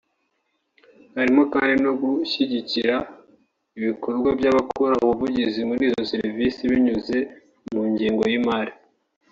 Harimo kandi no gushyigikira ibikorwa by’abakora ubuvugizi muri izo serivisi binyuze mu ngengo y’ imari